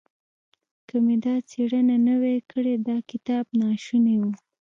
که مې دا څېړنه نه وای کړې دا کتاب ناشونی و.